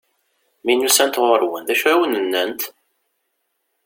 Mi n-usant ɣur-wen, d acu i awen-nnant?